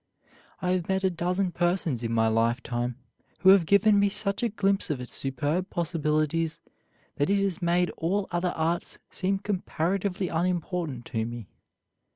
I have met a dozen persons in my lifetime who have given me such a glimpse of its superb possibilities that it has made all other arts seem comparatively unimportant to me.